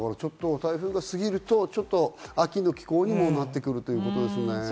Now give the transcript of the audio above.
台風が過ぎると、ちょっと秋の気候にもなってくるということですね。